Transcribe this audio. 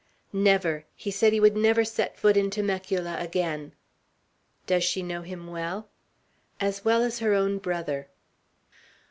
"Never! He said he would never set foot in Temecula again." "Does she know him well?" "As well as her own brother."